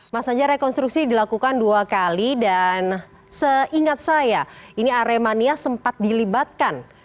mas anja rekonstruksi dilakukan dua kali dan seingat saya ini aremania sempat dilibatkan